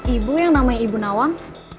ibu yang namanya ibu nawan